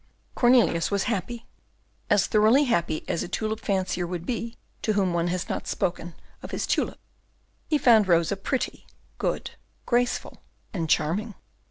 Cornelius was happy, as thoroughly happy as a tulip fancier would be to whom one has not spoken of his tulip. He found Rosa pretty, good, graceful, and charming.